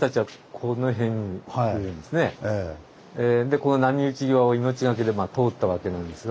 この波打ち際を命がけで通ったわけなんですが